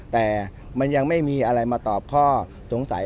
แต่มันยังไม่มีอะไรมาตอบข้อสงสัย